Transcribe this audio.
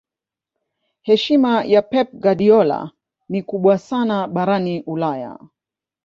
heshima ya pep guardiola ni kubwa sana barani ulaya